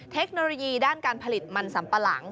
เทคโนโลยีด้านการผลิตมันสัมปะหลัง